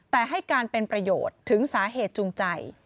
แต่ให้การเป็นประโยชน์ถึงสาเหตุจูงใจ